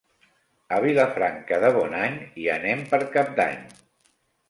A Vilafranca de Bonany hi anem per Cap d'Any.